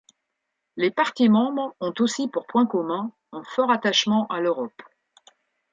Les partis membres ont aussi pour point commun un fort attachement à l'Europe.